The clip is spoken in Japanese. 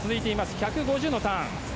１５０のターン。